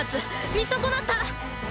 見損なった！